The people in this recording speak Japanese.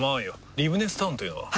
リブネスタウンというのは？